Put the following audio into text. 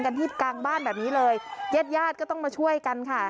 กันที่กลางบ้านแบบนี้เลยญาติญาติก็ต้องมาช่วยกันค่ะ